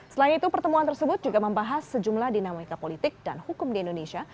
selain itu pertemuan tersebut juga membahas sejumlah dinamika politik dan hukum di indonesia